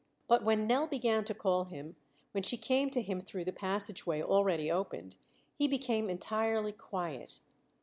But when Nell began to call to him, when she came to him through the passageway, already opened, he became entirely quiet.